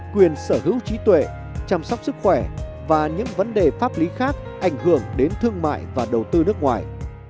quyền sở hữu trí tuệ chăm sóc sức khỏe và những vấn đề pháp lý khác ảnh hưởng đến thương mại và đầu tư nước ngoài